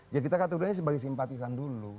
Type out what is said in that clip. ya kita katakan dulu sebagai simpatisan dulu